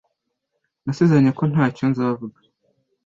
Nasezeranye ko ntacyo nzavuga.